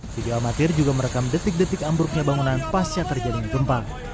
video amatir juga merekam detik detik ambruknya bangunan pasca terjadinya gempa